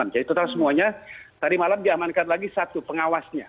total semuanya tadi malam diamankan lagi satu pengawasnya